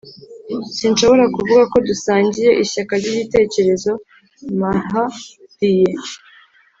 sinshobora kuvuga ko dusangiye ishyaka ryigitekerezo. mahdiye